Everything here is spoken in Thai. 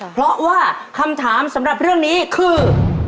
เพราะว่าคำถามสำหรับเรื่องนี้คือ